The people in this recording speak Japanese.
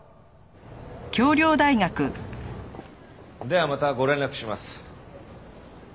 ではまたご連絡します。